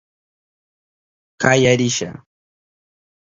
Kaya risha.